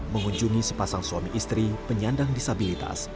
mengunjungi sepasang suami istri penyandang disabilitas